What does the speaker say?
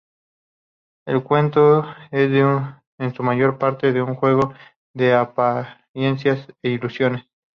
El cuento es en su mayor parte un juego de apariencias e ilusiones.